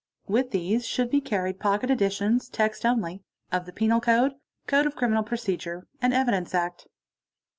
With these nonld be carried pocket editions, text only, of the Penal Code, Code of minal Procedure, and Evidence Act.